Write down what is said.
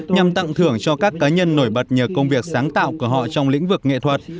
nhằm tặng thưởng cho các cá nhân nổi bật nhờ công việc sáng tạo của họ trong lĩnh vực nghệ thuật